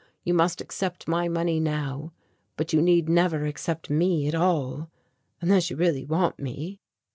You must accept my money now, but you need never accept me at all unless you really want me.